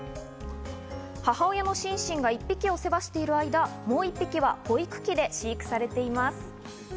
母親のシンシンが１匹を世話してる間もう一匹は保育器で飼育されています。